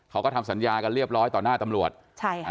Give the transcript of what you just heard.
เขาก็ทำสัญญากันเรียบร้อยต่อหน้าตำรวจใช่ค่ะ